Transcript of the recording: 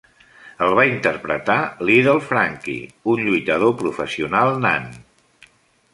El va interpretar "Little Frankie", un lluitador professional nan.